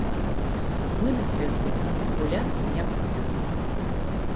Мы на святым гуляцца не будзем.